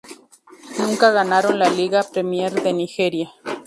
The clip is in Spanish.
Nunca ganaron la Liga Premier de Nigeria.